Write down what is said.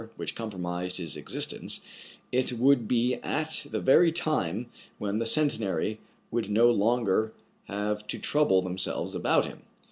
which compromised his existence, it would be at the very time when the Centenary would no longer 198 TRIBULATIONS OF A CHINAMAN, have to trouble themselves about him.